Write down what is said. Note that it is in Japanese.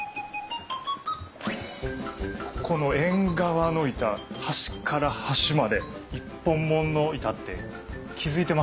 ここの縁側の板端から端まで一本物の板って気付いてました？